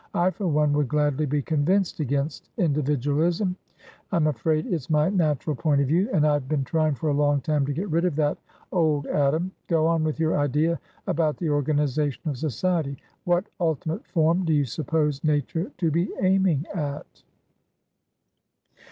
"I, for one, would gladly be convinced against individualism. I'm afraid it's my natural point of view, and I've been trying for a long time to get rid of that old Adam. Go on with your idea about the organisation of society. What ultimate form do you suppose nature to be aiming at?"